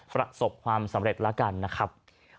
ประสบความสำเร็จแล้วกันนะครับ